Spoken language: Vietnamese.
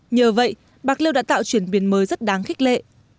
nhờ vậy bạc liêu đã tạo chuyển biến mới rất đáng khích lệ